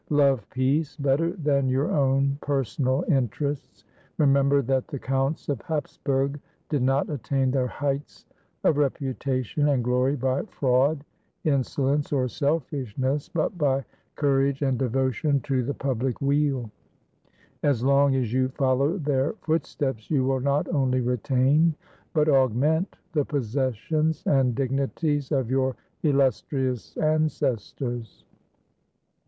Love peace better than your own personal interests. Remember that the Counts of Hapsburg did not attain their heights of rep utation and glory by fraud, insolence, or selfishness, but by courage and devotion to the public weal. As long as you follow their footsteps, you will not only retain, but augment, the possessions and dignities of your illustrious ancestors."